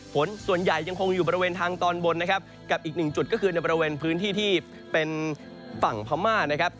ฝนส่วนใหญ่ยังคงอยู่บริเวณทางตอนบนนะครับกับอีกหนึ่งจุดก็คือในบริเวณพื้นที่ที่เป็นฝั่งพม่านะครับ